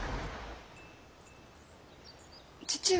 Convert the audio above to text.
父上。